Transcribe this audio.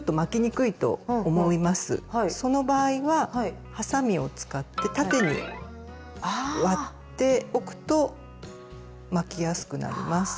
その場合ははさみを使って縦に割っておくと巻きやすくなります。